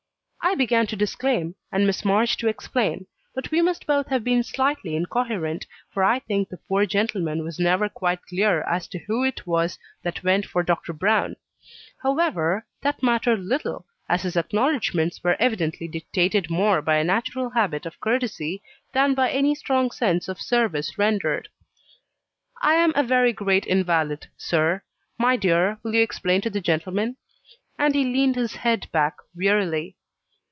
I began to disclaim, and Miss March to explain; but we must both have been slightly incoherent, for I think the poor gentleman was never quite clear as to who it was that went for Dr. Brown. However, that mattered little, as his acknowledgments were evidently dictated more by a natural habit of courtesy than by any strong sense of service rendered. "I am a very great invalid, sir; my dear, will you explain to the gentleman?" And he leaned his head back wearily.